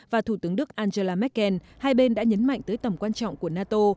và thủ tướng đức angela merkel hai bên đã nhấn mạnh tới tầm quan trọng của nato